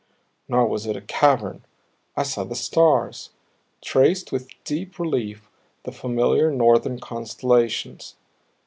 Nor was it a cavern; I saw the stars, traced with deep relief the familiar Northern constellations.